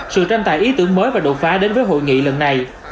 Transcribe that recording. sự tranh tài ý tưởng mới và đột phá đến với hội nghị lần này